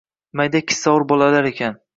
– Mayda kissavur bolalar ekan.